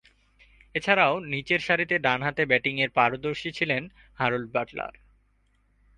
এছাড়াও নিচেরসারিতে ডানহাতে ব্যাটিংয়ে পারদর্শী ছিলেন হ্যারল্ড বাটলার।